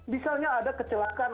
misalnya ada kecelakaan